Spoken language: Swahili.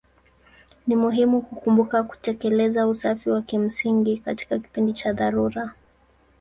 Ni muhimu kukumbuka kutekeleza usafi wa kimsingi katika kipindi cha dharura.